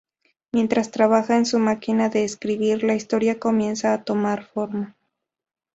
Mientras trabaja en su máquina de escribir, la historia comienza a tomar forma.